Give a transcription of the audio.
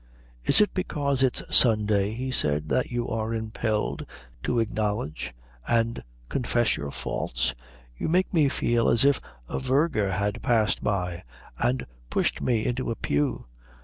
"Is it because it is Sunday," he said, "that you are impelled to acknowledge and confess your faults? You make me feel as if a verger had passed by and pushed me into a pew."